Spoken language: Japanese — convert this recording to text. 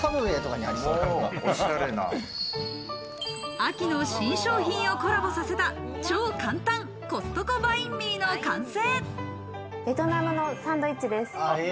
秋の新商品をコラボさせた超簡単コストコバインミーの完成。